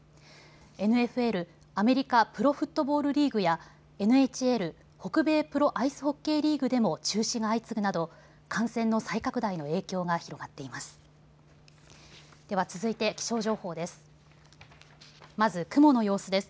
ＮＦＬ・アメリカプロフットボールリーグやＮＨＬ・北米プロアイスホッケーリーグでも中止が相次ぐなど感染の再拡大の影響が広がっています。